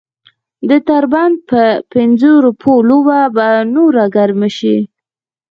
د تر بنده په پنځو روپو لوبه به نوره ګرمه شي.